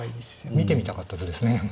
見てみたかった手ですでも。